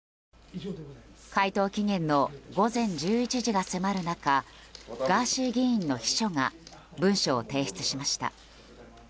回答期限の午前１１時が迫る中ガーシー議員の秘書が文書を提出しました。